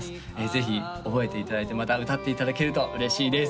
ぜひ覚えていただいてまた歌っていただけると嬉しいです